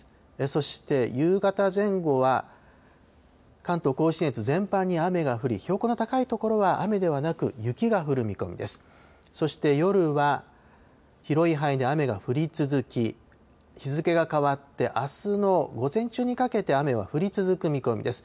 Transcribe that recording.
そして夕方前後は、関東甲信越全般に雨が降り、標高の高い所は雨ではなく、雪が降る見込みです。